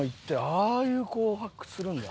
ああいう子を発掘するんだ。